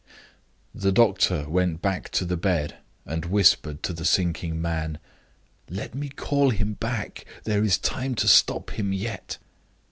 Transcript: The doctor went back to the bed and whispered to the sinking man: "Let me call him back; there is time to stop him yet!"